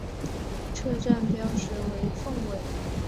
车站标识为凤尾。